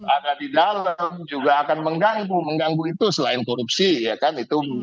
ada di dalam juga akan mengganggu mengganggu itu selain korupsi ya kan itu